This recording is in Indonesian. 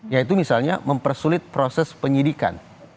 yaitu misalnya mempersulit proses penyidikan